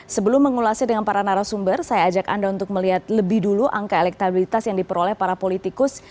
sebelum mengulasnya dengan para narasumber saya ajak anda untuk melihat lebih dulu angka elektabilitas yang diperoleh para politikus